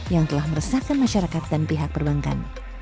yang telah meresahkan masyarakat dan pihak perbankan